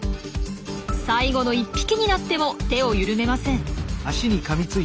最後の１匹になっても手を緩めません。